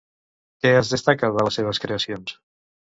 Què es destaca de les seves creacions?